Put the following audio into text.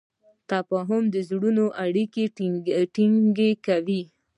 تفاهم د زړونو اړیکه ټینګه کوي.